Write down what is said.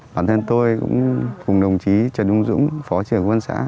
bản thân tôi cũng cùng đồng chí trần trung dũng phó trưởng quân xã